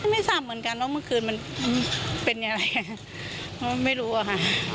ไม่ทราบเหมือนกันว่าเมื่อคืนมันเป็นอะไรเพราะไม่รู้อะค่ะ